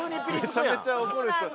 めちゃめちゃ怒る人。